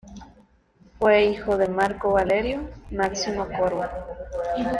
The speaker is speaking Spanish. Fue hijo de Marco Valerio Máximo Corvo.